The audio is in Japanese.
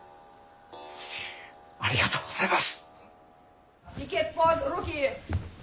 ありがとうございます！